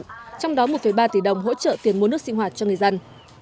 trong đó một ba tỷ đồng hỗ trợ tiền mua nước sinh hoạt cho người dân